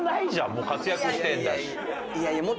もう活躍してるんだし。